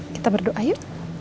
kita berdoa yuk